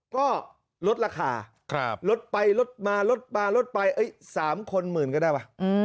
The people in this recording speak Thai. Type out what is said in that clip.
ก็ลดราคาลดไปลดมาลดมาลดไป๓คนหมื่นก็ได้ป่ะ